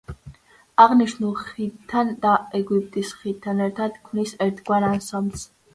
აღნიშნულ ხიდთან და ეგვიპტის ხიდთან ერთად ქმნის ერთგვარ ანსამბლს.